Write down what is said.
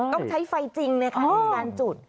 ต้องใช้ไฟจริงในการจุด